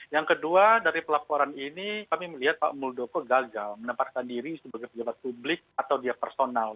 yang kedua dari pelaporan ini kami melihat pak muldoko gagal menempatkan diri sebagai pejabat publik atau dia personal